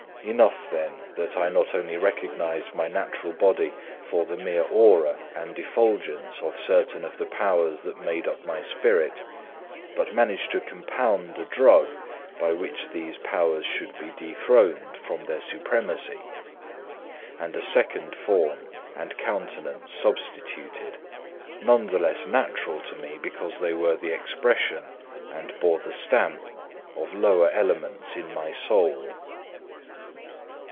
Enough then, that I not only recognised my natural body from the mere aura and effulgence of certain of the powers that made up my spirit, but managed to compound a drug by which these powers should be dethroned from their supremacy, and a second form and countenance substituted, none the less natural to me because they were the expression, and bore the stamp of lower elements in my soul.